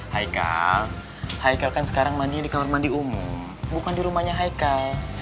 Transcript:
heikal heikal kan sekarang mandinya di kamar mandi umum bukan di rumahnya heikal